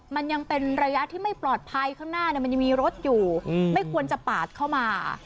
มันยังเป็นระยะที่ไม่ปลอดภัยข้างหน้ามันยังมีรถอยู่ไม่ควรจะปาดเข้ามา